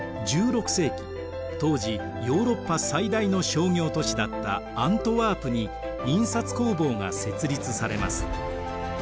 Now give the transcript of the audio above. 当時ヨーロッパ最大の商業都市だったアントワープに印刷工房が設立されます。